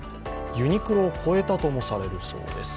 ユニクロを超えたともされるそうです。